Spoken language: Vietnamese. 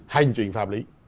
hành trình pháp lý